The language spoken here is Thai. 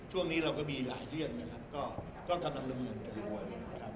ช่วงนี้เราก็มีหลายเรียนนะครับก็กำลังลำเงินกันดีกว่า